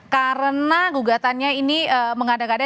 karena gugatannya ini mengada gada